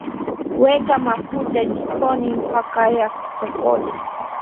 weka mafuta jikoni mpaka yatokote